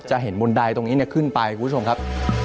จะเห็นมุนใดตรงนี้เนี่ยขึ้นไปคุณผู้ชมครับ